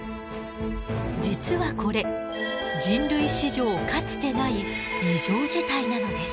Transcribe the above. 実はこれ人類史上かつてない異常事態なのです。